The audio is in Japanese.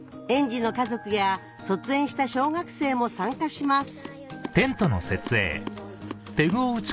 児の家族や卒園した小学生も参加します